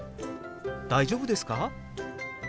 「大丈夫ですか？」。